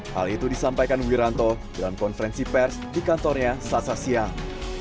hal itu disampaikan wiranto dalam konferensi pers di kantornya sasa siang